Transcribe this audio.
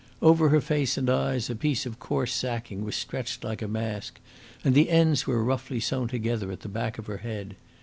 Over her face and eyes a piece of coarse sacking was stretched like a mask, and the ends were roughly sewn together at the back of her head.